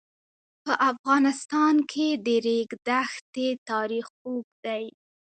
په افغانستان کې د د ریګ دښتې تاریخ اوږد دی.